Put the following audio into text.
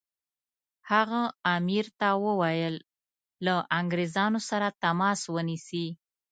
هغه امیر ته وویل له انګریزانو سره تماس ونیسي.